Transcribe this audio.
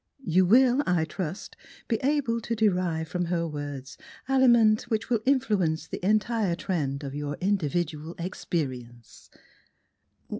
You will, I trust, be able to derive from her words aliment which will in fluence the entire trend of your individual experience."